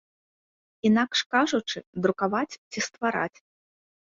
Інакш кажучы, друкаваць ці ствараць.